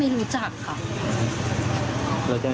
รู้จักค่ะ